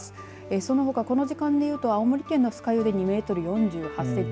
そのほかこの時間でいうと青森県の酸ヶ湯で２メートル４８センチ。